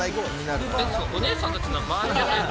お姉さんたちの周りでははや